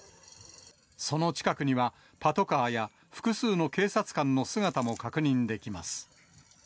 その近くには、パトカーや複数の警察官の姿も確認できます。